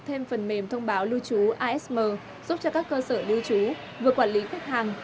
thêm phần mềm thông báo lưu trú asm giúp cho các cơ sở lưu trú vừa quản lý khách hàng